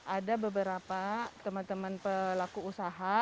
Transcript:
ada beberapa teman teman pelaku usaha